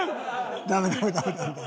ダメダメダメダメダメ。